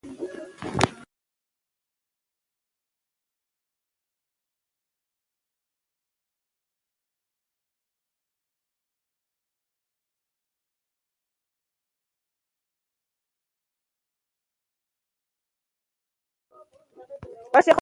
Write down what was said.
فاطمه د سانتیاګو ملاتړ کوي.